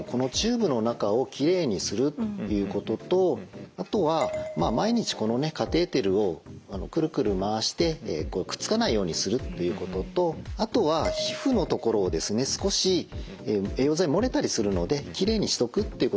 ポイントとしてはもうあとは毎日このカテーテルをくるくる回してくっつかないようにするということとあとは皮膚のところをですね少し栄養剤漏れたりするのできれいにしとくっていうことですね。